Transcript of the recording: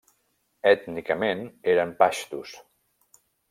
Ètnicament eren paixtus.